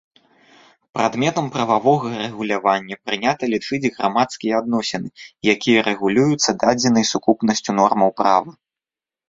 Прадметам прававога рэгулявання прынята лічыць грамадскія адносіны, якія рэгулююцца дадзенай сукупнасцю нормаў права.